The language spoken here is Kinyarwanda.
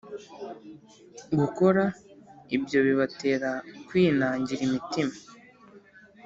Gukora ibyo bibatera kwinangira imitima,